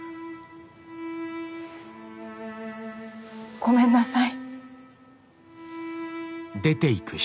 ごめんなさい。